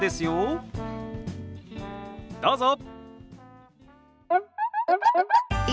どうぞ！